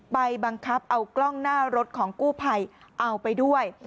ไปบังคับเอากล้องหน้ารถของกู้ภัยเอาไปด้วย